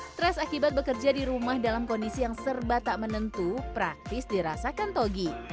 stres akibat bekerja di rumah dalam kondisi yang serba tak menentu praktis dirasakan togi